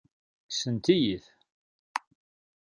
Kksent-iyi-t.